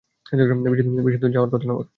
বেশিদূর যাওয়ার কথা না ওর।